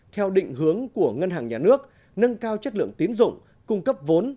theo định hướng của ngân hàng nhà nước nâng cao chất lượng tiến dụng cung cấp vốn